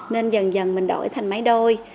nên dần dần mình đổi thành máy đôi